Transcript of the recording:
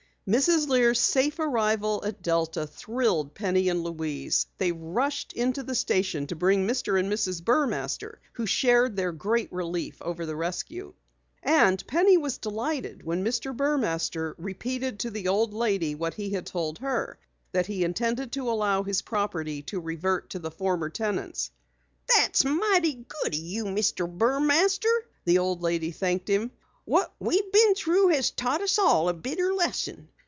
Mrs. Lear's safe arrival at Delta thrilled Penny and Louise. They rushed into the station to bring Mr. and Mrs. Burmaster who shared their great relief over the rescue. And Penny was delighted when Mr. Burmaster repeated to the old lady what he had told her that he intended to allow his property to revert to the former tenants. "That's mighty good of you, Mr. Burmaster," the old lady thanked him. "What we've been through has taught us all a bitter lesson.